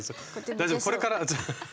大丈夫これから。